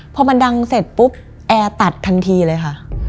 พอมันดังเสร็จปุ๊บแอร์ตัดทันทีเลยค่ะ